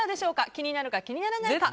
気になるか、気にならないか。